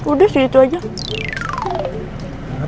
udah segitu aja